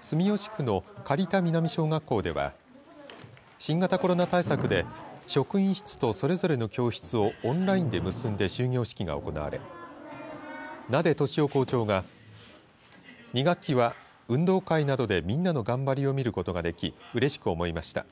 住吉区の苅田南小学校では新型コロナ対策で職員室とそれぞれの教室をオンラインで結んで終業式が行われ撫俊男校長が２学期は、運動会などでみんなの頑張りを見ることができうれしく思いました。